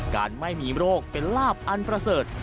การไม่มีโรคเป็นลาบอันประเสริฐ